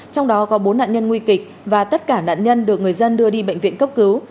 trong đó có bốn nạn nhân nguy kịch và tất cả nạn nhân được người dân đưa đi bệnh viện cấp cứu